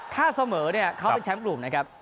ถ้าเสมอเนี่ยเขาเป็นแชมป์กลุ่มนะครับ